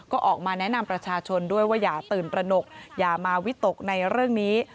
ก็ออกมาแนะนำประชาชนด้วยว่าอย่าตื่นตระหนกอย่ามาวิตกในเรื่องนี้